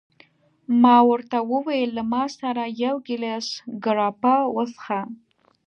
ما ورته وویل: له ما سره یو ګیلاس ګراپا وڅښه.